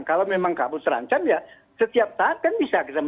kalau memang kampus terancam ya setiap saat kan bisa